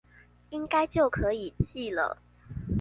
應該就可以寄了